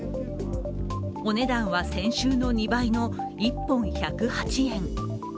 お値段は先週の２倍の１本１０８円。